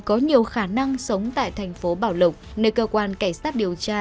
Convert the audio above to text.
có nhiều khả năng sống tại thành phố bảo lộc nơi cơ quan cảnh sát điều tra